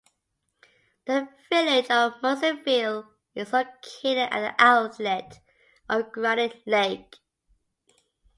The village of Munsonville is located at the outlet of Granite Lake.